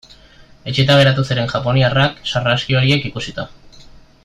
Etsita geratu ziren japoniarrak sarraski horiek ikusita.